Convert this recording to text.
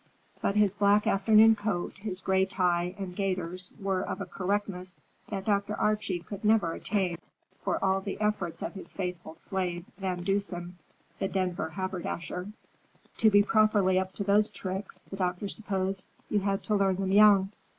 But his black afternoon coat, his gray tie and gaiters were of a correctness that Dr. Archie could never attain for all the efforts of his faithful slave, Van Deusen, the Denver haberdasher. To be properly up to those tricks, the doctor supposed, you had to learn them young.